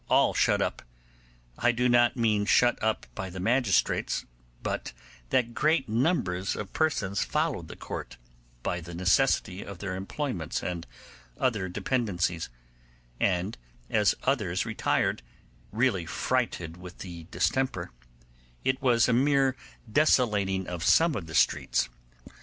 When I speak of rows of houses being shut up, I do not mean shut up by the magistrates, but that great numbers of persons followed the Court, by the necessity of their employments and other dependences; and as others retired, really frighted with the distemper, it was a mere desolating of some of the streets.